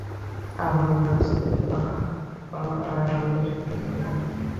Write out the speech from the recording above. আবরণের অস্তিত্বও আর আমাদের স্মরণে থাকিবে না।